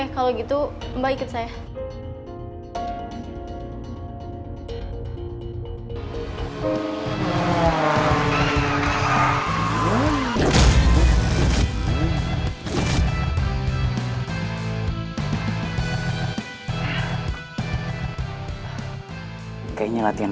tapi dia tendang ke siapa yang cemen